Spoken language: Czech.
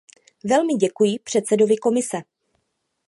Velmi děkuji předsedovi Komise.